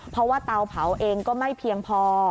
เพราะว่าเตาเผาเองก็ไม่เพียงพอ